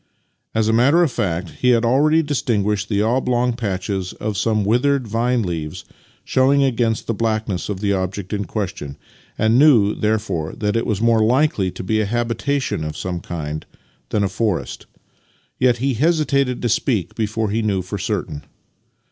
As a matter of fact, he had already distinguished the oblong patches of some withered vine leaves showing against the blackness of the object in question, and knew, therefore, that it was more likely to be a habitation of some kind than a forest; yet he hesitated to speak before he knew for certain.